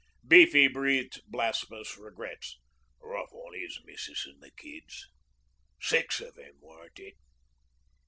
Beefy breathed blasphemous regrets. 'Rough on 'is missus an' the kids. Six of 'em, weren't it?'